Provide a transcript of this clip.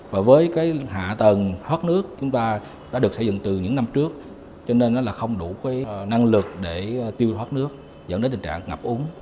và với cái hạ tầng thoát nước chúng ta đã được xây dựng từ những năm trước cho nên là không đủ cái năng lực để tiêu thoát nước dẫn đến tình trạng ngập úng